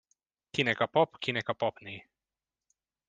Kinek a pap, kinek a papné.